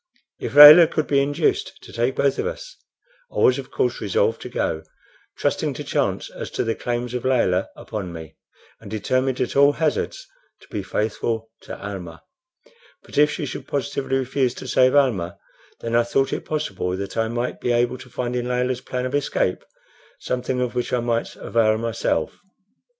If Layelah could be induced to take both of us, I was of course resolved to go, trusting to chance as to the claims of Layelah upon me, and determined at all hazards to be faithful to Almah; but if she should positively refuse to save Almah, then I thought it possible that I might be able to find in Layelah's plan of escape something of which I might avail myself.